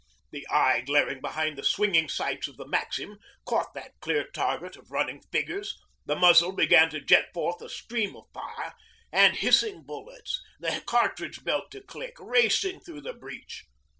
The eye glaring behind the swinging sights of the maxim caught that clear target of running figures, the muzzle began to jet forth a stream of fire and hissing bullets, the cartridge belt to click, racing through the breach.